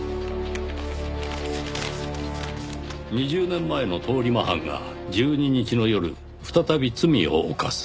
「２０年前の通り魔犯が１２日の夜再び罪を犯す」